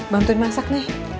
bantuin masak nih